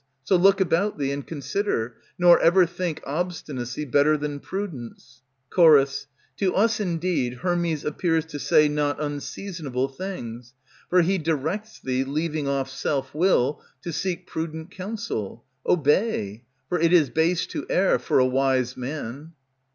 So Look about thee, and consider, nor ever think Obstinacy better than prudence. Ch. To us indeed Hermes appears to say not unseasonable things, For he directs thee, leaving off Self will, to seek prudent counsel. Obey; for it is base to err, for a wise man.